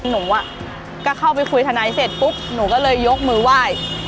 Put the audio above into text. หนูก็เข้าไปคุยทนายเสร็จปุ๊บหนูก็เลยยกมือไหว้